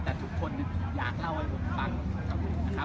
ถือคณะกรรมของฟันน้ำกรุกทุกที่มีคณะกรีก์ยา